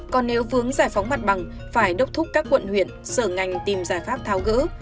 còn nếu vướng giải phóng mặt bằng phải đốc thúc các quận huyện sở ngành tìm giải pháp tháo gỡ